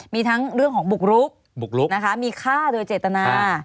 มีทั้งเรื่องของบุกรุกบุกลุกนะคะมีฆ่าโดยเจตนา